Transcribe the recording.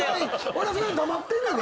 俺それ黙ってんねんで。